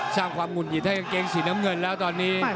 สร้างความหุ่นหิดให้กางเกงสีน้ำเงินแล้วตอนนี้